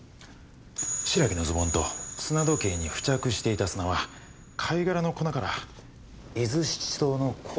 白木のズボンと砂時計に付着していた砂は貝殻の粉から伊豆七島の神津島のものだと判明しました。